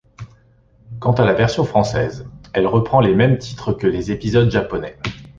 Quant à la version française, elle reprend les mêmes titres que les épisodes japonais.